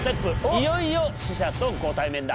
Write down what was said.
いよいよ死者とご対面だ。